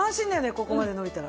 ここまで伸びたら。